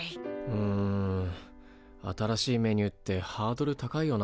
うん新しいメニューってハードル高いよな。